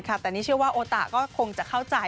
ใช่แต่นิติว่าโอตะก็คงจะเข้าใจ